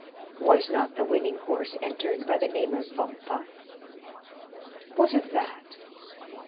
"Was not the winning horse entered by the name of Vampa?" "What of that?"